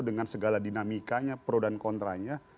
dengan segala dinamikanya pro dan kontranya